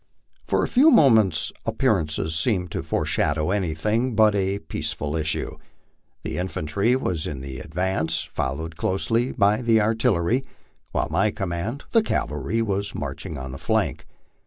For a few moments appearances seemed to foreshadow anything but a peace ful issue. The infantry was in the advance, followed closely by the artillery, while my command, the cavalry, was marching on the flank.